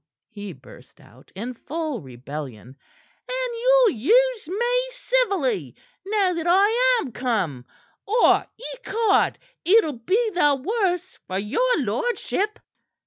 he burst out, in full rebellion. "And you'll use me civilly now that I am come, or ecod! it'll be the worse for your lordship."